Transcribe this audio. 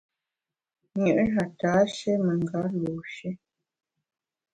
Nyü na ntashe menga lu shi.